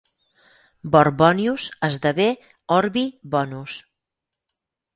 «Borbonius» esdevé «orbi bonus».